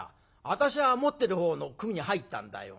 私はもってる方の組に入ったんだよ。